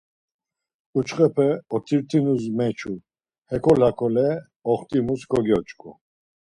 Ǩuçxepe otirtinus meçu, hekol hakole oxtimus kogyoç̌ǩu.